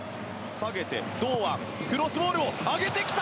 下げて、堂安クロスボールを上げてきた！